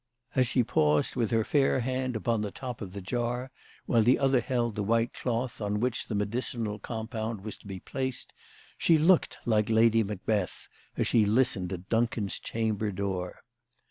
As she CHRISTMAS AT THOMPSON HALL. 213 paused with her fair hand upon the top of the jar, while the other held the white cloth on which the me dicinal compound was to be placed, she looked like Lady Macbeth as she listened at Duncan's chamber door.